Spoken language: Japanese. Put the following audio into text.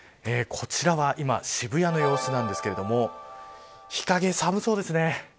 こちらは今渋谷の様子なんですけど日陰、寒そうですね。